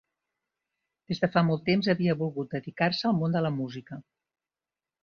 Des de fa molt temps havia volgut dedicar-se al món de la música.